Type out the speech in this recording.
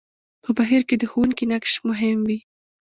په بهير کې د ښوونکي نقش مهم وي.